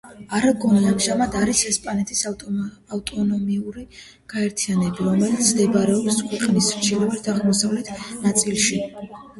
არაგონი ამჟამად არის ესპანეთის ავტონომიური გაერთიანება, რომელიც მდებარეობს ქვეყნის ჩრდილო-აღმოსავლეთ ნაწილში.